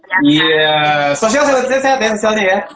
iya sosialnya sehat ya